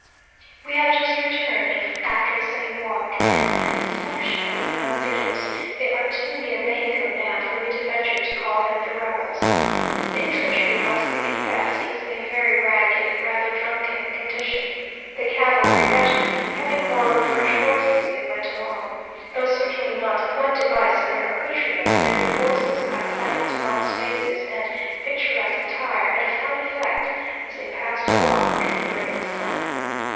We have just returned after a sunny walk, and an inspection of the pronunciados they are too near Mexico now for me to venture to call them the rebels. The infantry, it must be confessed, was in a very ragged and rather drunken condition the cavalry better, having borrowed fresh horses as they went along. Though certainly not point device in their accoutrements, their good horses, high saddles, bronze faces, and picturesque attire, had a fine effect as they passed along under the burning sun.